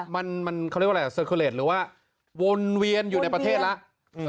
มันมันเขาเรียกว่าอะไรหรือว่าวนเวียนอยู่ในประเทศละอืม